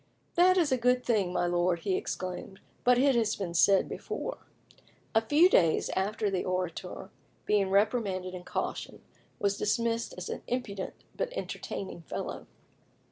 "That is a good thing, my lord," he exclaimed, "but it has been said before." A few days after the Orator, being reprimanded and cautioned, was dismissed as an impudent but entertaining fellow.